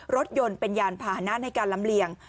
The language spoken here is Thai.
รถยนต์เป็นยานพาหนะในการลำเลียง